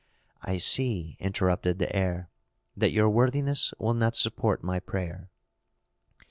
"I see," interrupted the heir, "that your worthiness will not support my prayer."